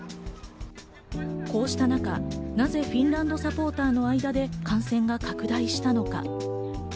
こうした中、なぜフィンランドサポーターの間で感染が拡大したのか。